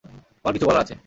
আমার কিছু বলার আছে।